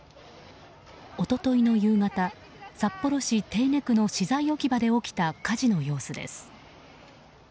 一昨日の夕方、札幌市手稲区の資材置き場で起きた火事の様子です。